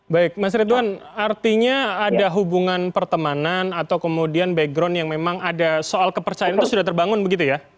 baik mas ridwan artinya ada hubungan pertemanan atau kemudian background yang memang ada soal kepercayaan itu sudah terbangun begitu ya